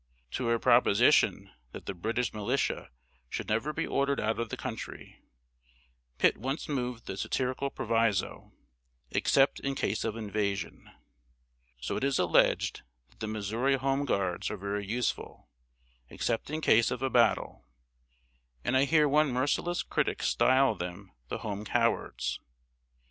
To a proposition, that the British militia should never be ordered out of the country, Pitt once moved the satirical proviso, "Except in case of invasion." So it is alleged that the Missouri Home Guards are very useful except in case of a battle; and I hear one merciless critic style them the "Home Cowards."